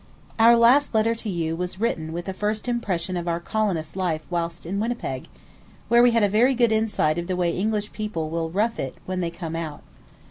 Our last letter to you was written with the first impression of our colonist life whilst in Winnipeg, where we had a very good insight of the way English people will rough it when they come out.